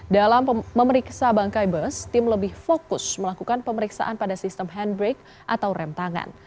dalam memeriksa bangkai bus tim lebih fokus melakukan pemeriksaan pada sistem handbrake atau rem tangan